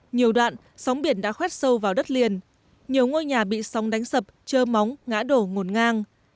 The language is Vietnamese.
nhiều đoạn sóng biển đã khoét sâu vào đất liền nhiều ngôi nhà bị sóng đánh sập trơ móng ngã đổ ngổn ngang